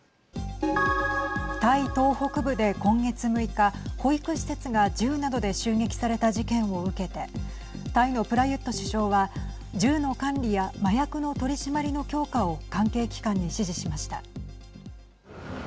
タイ東北部で今月６日保育施設が銃などで襲撃された事件を受けてタイのプラユット首相は銃の管理や麻薬の取締りの強化を関係機関に指示しました。